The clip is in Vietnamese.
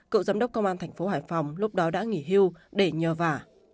cựu giám đốc công an thành phố hải phòng lúc đó đã nghỉ hưu để nhờ vả